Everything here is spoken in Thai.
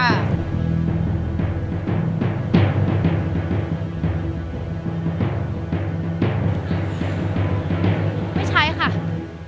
ไม่ใช้ค่ะ